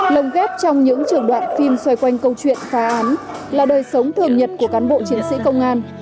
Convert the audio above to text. lồng ghép trong những trường đoạn phim xoay quanh câu chuyện phá án là đời sống thường nhật của cán bộ chiến sĩ công an